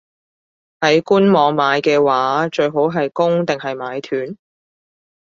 喺官網買嘅話，最好係供定係買斷?